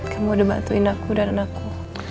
kamu udah bantuin aku dan anakku